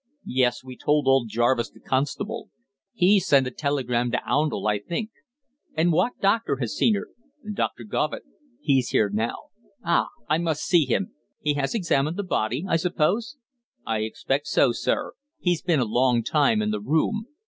"Yes, we told old Jarvis, the constable. He's sent a telegram to Oundle, I think." "And what doctor has seen her?" "Doctor Govitt. He's here now." "Ah! I must see him. He has examined the body, I suppose?" "I expect so, sir. He's been a long time in the room."